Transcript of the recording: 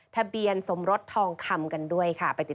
ทะเบียนสมรสทองคำกันด้วยค่ะ